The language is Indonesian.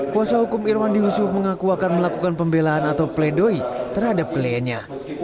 kuasa hukum irwandi yusuf mengaku akan melakukan pembelaan atau pledoi terhadap kliennya